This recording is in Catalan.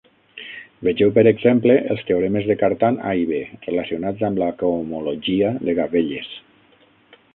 Vegeu per exemple els teoremes de Cartan A i B, relacionats amb la cohomologia de gavelles.